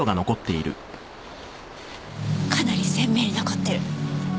かなり鮮明に残ってる。